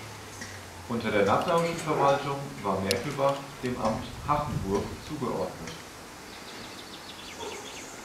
Unter der nassauischen Verwaltung war Merkelbach dem Amt Hachenburg zugeordnet.